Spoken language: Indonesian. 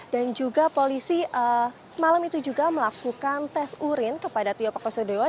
dan juga polisi semalam itu juga melakukan tes urin kepada tio pakusadewa